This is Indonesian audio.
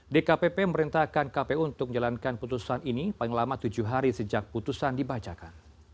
dkpp memerintahkan kpu untuk menjalankan putusan ini paling lama tujuh hari sejak putusan dibacakan